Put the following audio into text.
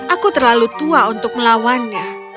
aku terlalu tua untuk melawannya